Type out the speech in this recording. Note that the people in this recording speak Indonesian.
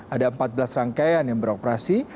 ada empat belas rangkaian yang beroperasi